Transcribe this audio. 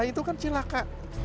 itu kan celaka